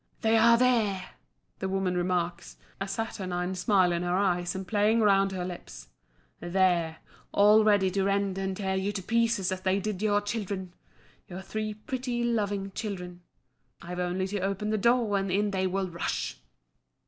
"They are there!" the woman remarks, a saturnine smile in her eyes and playing round her lips. "There all ready to rend and tear you to pieces as they did your children your three pretty, loving children. I've only to open the door, and in they will rush!"